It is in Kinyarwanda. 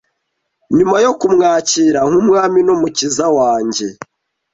nyuma yo kumwakira nk’umwami n’umukiza wanjye